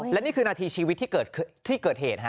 และนี่คือนาทีชีวิตที่เกิดเหตุ